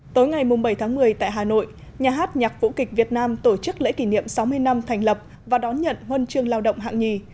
tối ngày bảy tháng một mươi tại hà nội nhà hát nhạc vũ kịch việt nam tổ chức lễ kỷ niệm sáu mươi năm thành lập và đón nhận huân chương lao động hạng nhì